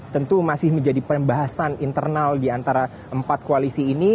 tentu masih menjadi pembahasan internal di antara empat koalisi ini